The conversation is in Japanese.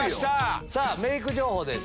さぁメイク情報です。